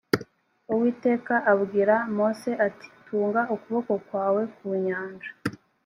uwiteka abwira mose ati tunga ukuboko kwawe ku nyanja